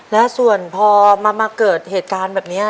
แล้วส่วนพอมาเกิดเหตุการณ์แบบนี้